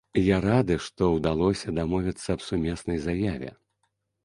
Я рады, што ўдалося дамовіцца аб сумеснай заяве.